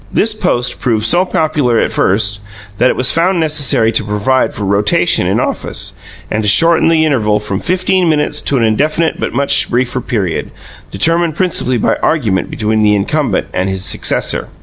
This post proved so popular, at first, that it was found necessary to provide for rotation in office, and to shorten the interval from fifteen minutes to an indefinite but much briefer period, determined principally by argument between the incumbent and his successor.